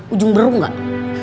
ujung beru gak